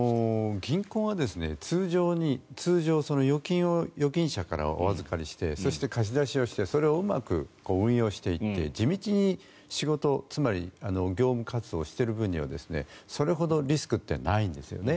銀行は通常預金を預金者からお預かりしてそして貸し出しをしてそれをうまく運用していって地道に仕事つまり業務活動をしている分にはそれほどリスクってないんですね。